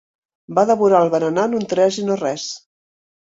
Va devorar el berenar en un tres i no res.